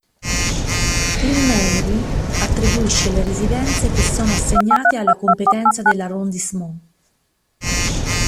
Il Mairie attribuisce le residenze che sono assegnate alla competenza dell'arrondissement.